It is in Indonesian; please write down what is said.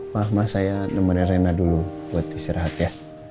maaf ma saya nomorin rena dulu buat istirahat ya